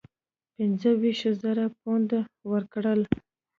پنځه ویشت زره پونډه ورکړل.